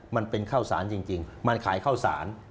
มันเป็นข้าวสารจริงมันขายข้าวสาร